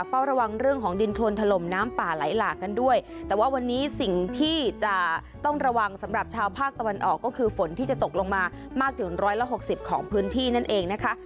เฝ้าระวังเรื่องของดินโครนถล่มน้ำป่าไหลหลากกันด้วยแต่ว่าวันนี้สิ่งที่จะต้องระวังสำหรับชาวภาคตะวันออกก็คือฝนที่จะตกลงมามากถึงร้อยละหกสิบของพื้นที่นั่นเองนะคะ